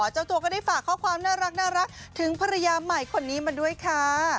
เจ้าตัวก็ได้ฝากข้อความน่ารักถึงภรรยาใหม่คนนี้มาด้วยค่ะ